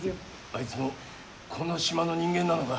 あいつもこの島の人間なのか？